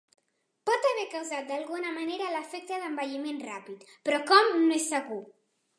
Pot haver causat d'alguna manera l'efecte d'envelliment ràpid, però com no és segur.